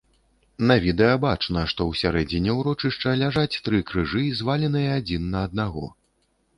На відэа бачна, што ў сярэдзіне ўрочышча ляжаць тры крыжы, зваленыя адзін на аднаго.